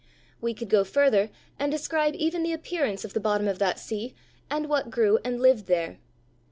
We could go further and describe even the appearance of the bottom of that sea, and what grew and lived there.